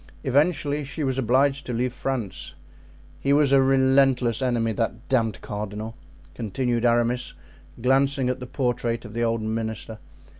Eventually she was obliged to leave France. He was a relentless enemy, that damned cardinal," continued Aramis, glancing at the portrait of the old minister.